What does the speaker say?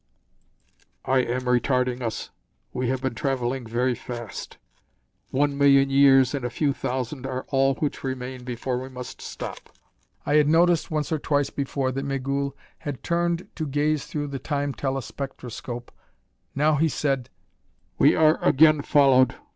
"I am retarding us. We have been traveling very fast. One million years and a few thousand are all which remain before we must stop." I had noticed once or twice before that Migul had turned to gaze through the Time telespectroscope. Now he said: "We are again followed!"